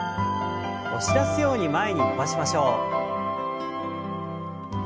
押し出すように前に伸ばしましょう。